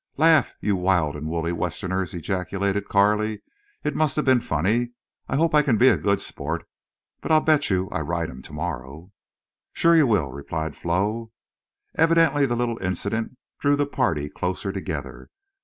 "Laugh, you wild and woolly Westerners!" ejaculated Carley. "It must have been funny. I hope I can be a good sport.... But I bet you I ride him tomorrow." "Shore you will," replied Flo. Evidently the little incident drew the party closer together.